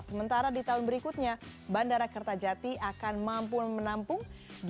sementara di tahun berikutnya bandara kertajati akan mampu menampung